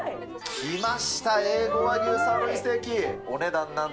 来ました、Ａ５和牛サーロインステーキ。